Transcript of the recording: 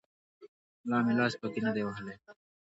لا مې لاس پکښې نه دى وهلى.